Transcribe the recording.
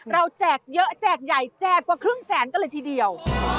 แจกเยอะแจกใหญ่แจกกว่าครึ่งแสนกันเลยทีเดียว